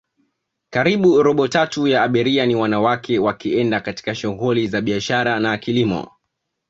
karibu robo tatu ya abiria ni wanawake wakienda katika shuguli za biashara na kilimo